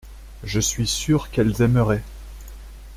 Je suis sûr qu’elles aimeraient.